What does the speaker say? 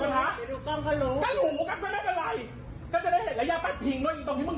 กลับมาให้รู้จักกูไว้ด้วยบ้านนี้คือบ้านกู